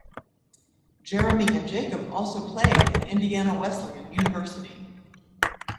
Jeremy and Jacob also played at Indiana Wesleyan University.